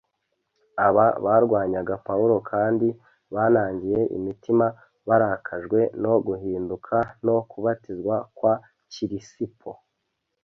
aba barwanyaga Pawulo kandi banangiye imitima barakajwe no guhinduka no kubatizwa kwa Kirisipo.